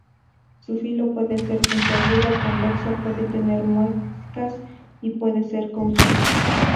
Su filo puede ser puntiagudo, convexo, puede tener muescas o puede ser cóncavo.